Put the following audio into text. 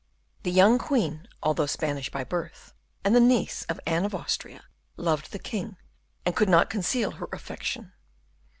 The young queen, although Spanish by birth, and the niece of Anne of Austria, loved the king, and could not conceal her affection.